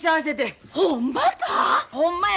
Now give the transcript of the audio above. ほんまや。